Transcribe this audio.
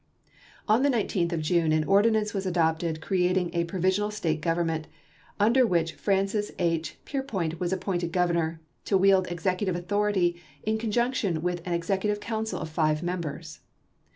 On the 19th of June an ordinance was adopted creating a provisional State government, under which Francis H. Peirpoint was appointed Governor, to wield executive authority in conjunc tion with an executive council of five members.